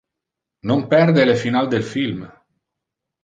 Non perde le final del film.